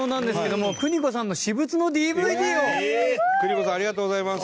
邦子さんありがとうございます。